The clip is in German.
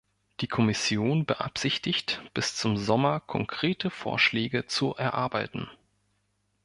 Die Kommission beabsichtigt, bis zum Sommer konkrete Vorschläge zu erarbeiten.